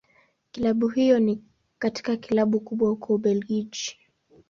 Klabu hiyo ni katika Klabu kubwa huko Ubelgiji.